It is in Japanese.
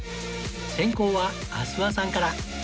先攻は阿諏訪さんから